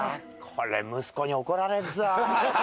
これ息子に怒られるぞ。